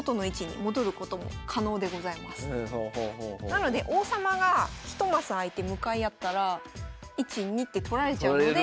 なので王様がひとマス空いて向かい合ったら１２って来られちゃうので。